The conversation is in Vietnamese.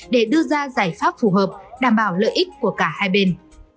để đưa ra giải pháp phù hợp đảm bảo lợi ích của cả hai bên